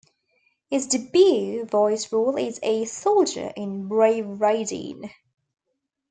His debut voice role is a soldier in "Brave Raideen".